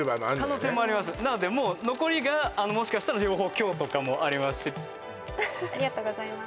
可能性もありますなので残りがもしかしたら両方凶とかもありますしありがとうございます